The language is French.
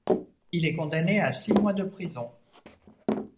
Il est condamné à six mois de prison.